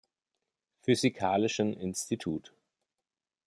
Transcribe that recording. Physikalischen Institut.